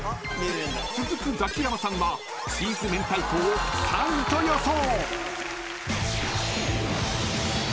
［続くザキヤマさんはチーズ明太子を３位と予想］